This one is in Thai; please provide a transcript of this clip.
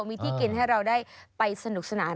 มีที่กินให้เราได้ไปสนุกสนาน